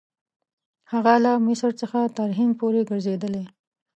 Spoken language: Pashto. هغه له مصر څخه تر هند پورې ګرځېدلی.